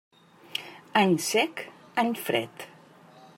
Any sec, any fred.